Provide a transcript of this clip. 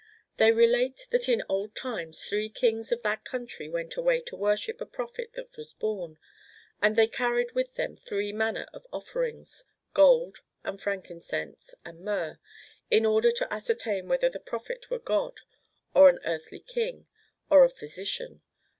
They relate that in olci times three kings of that country went away to worship a Prophet that was born, and they carried with them three manner of offerings, Gold, and Frankincense, and Myrrh ; in order to ascertain whether that Prophet were God, or an earthly King, or a Physician.